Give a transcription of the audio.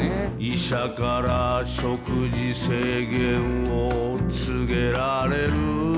「医者から食事制限を告げられるでも」